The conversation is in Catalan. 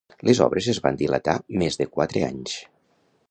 Les obres es van dilatar més de quatre anys.